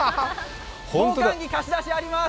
防寒着、貸し出しあります。